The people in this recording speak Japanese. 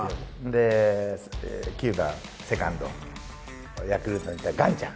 で９番セカンドヤクルトにいたガンちゃん。